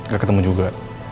gak ketemu juga